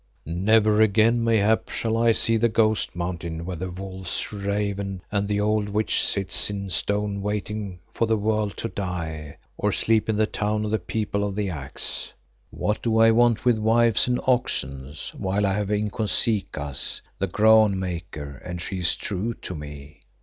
"Never again, mayhap, shall I see the Ghost Mountain where the wolves ravened and the old Witch sits in stone waiting for the world to die, or sleep in the town of the People of the Axe. What do I want with wives and oxen while I have Inkosikaas the Groan maker and she is true to me?"